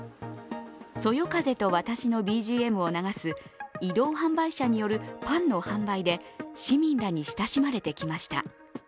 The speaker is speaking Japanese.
「そよ風と私」のＢＧＭを流す移動販売車によるパンの販売で市民らに親しまれてきました。